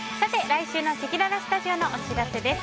来週のせきららスタジオのお知らせです。